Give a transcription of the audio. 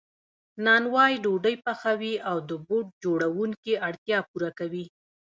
نانوای ډوډۍ پخوي او د بوټ جوړونکي اړتیا پوره کوي